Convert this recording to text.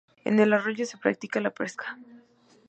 En el arroyo se practica la pesca.